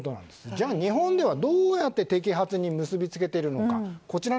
じゃあ日本ではどうやって摘発に結び付けているのか。